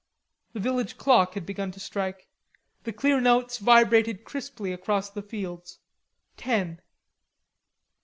The village clock had begun to strike; the clear notes vibrated crisply across the fields: ten.